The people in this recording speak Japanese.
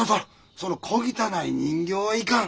その小汚い人形はいかん。